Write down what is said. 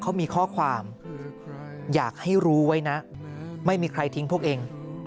เขามีข้อความอยากให้รู้ไว้นะไม่มีใครทิ้งพวกเอง